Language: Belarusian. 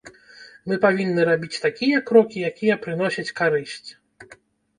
Мы павінны рабіць такія крокі, якія прыносяць карысць.